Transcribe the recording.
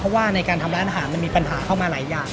จากการทำร้านอาหารมันมีปัญหาเข้ามาหลายอย่าง